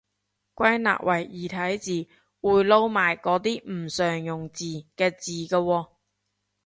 歸納為異體字，會撈埋嗰啲唔常用字嘅字嘅喎